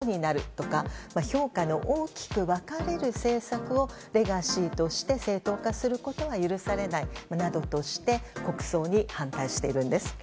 国家として安倍氏の政治を賛美・礼賛することになるとか評価の大きく分かれる政策をレガシーとして正当化することは許されないなどとして国葬に反対しているんです。